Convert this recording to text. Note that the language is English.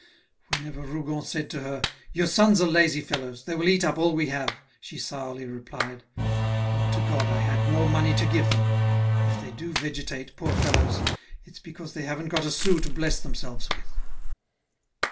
Whenever Rougon said to her, "Your sons are lazy fellows, they will eat up all we have," she sourly replied, "Would to God I had more money to give them; if they do vegetate, poor fellows, it's because they haven't got a sou to bless themselves with."